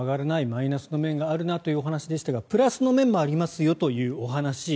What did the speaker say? マイナスの面があるなというお話でしたがプラスの面もありますよというお話。